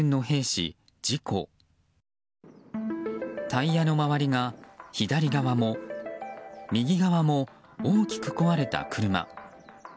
タイヤの周りが左側も右側も大きく壊れた車。